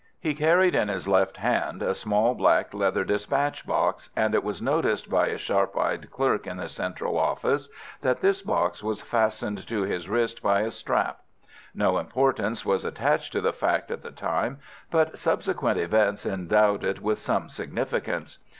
He carried in his left hand a small black leather dispatch box, and it was noticed by a sharp eyed clerk in the Central office that this box was fastened to his wrist by a strap. No importance was attached to the fact at the time, but subsequent events endowed it with some significance.